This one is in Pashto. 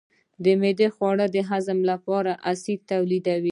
معده د خوړو د هضم لپاره اسید تولیدوي.